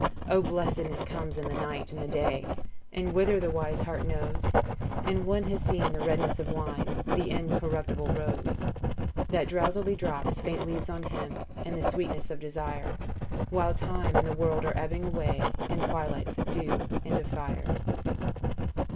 * O blessedness comes in the night and the day 'And whither the wise heart knows; ' And one has seen in the redness of wine ' The Incorruptible Rose, * That drowsily drops faint leaves on him * And the sweetness of desire, ' While time and the world are ebbing away ' In twilights of dew and of fire.